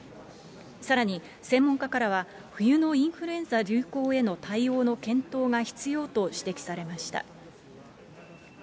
さらに、専門家からは、冬のインフルエンザ流行への対応の検討が必要と指摘されました。